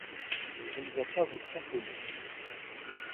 Je ne dois pas vous tromper, monsieur.